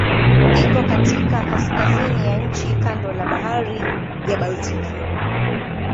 Iko katika kaskazini ya nchi kando la Bahari ya Baltiki.